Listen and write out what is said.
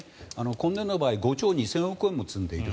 今年の場合は５兆２０００億円も積んでいる。